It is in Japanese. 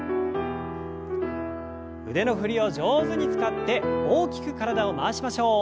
腕の振りを上手に使って大きく体を回しましょう。